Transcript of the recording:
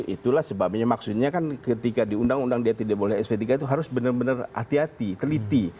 itulah sebabnya maksudnya kan ketika di undang undang dia tidak boleh sp tiga itu harus benar benar hati hati teliti